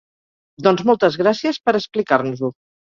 Doncs moltes gràcies per explicar-nos-ho.